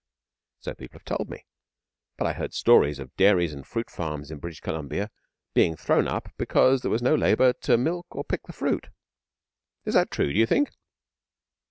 'So people have told me. But I heard stories of dairies and fruit farms in British Columbia being thrown up because there was no labour to milk or pick the fruit. Is that true, d'you think?'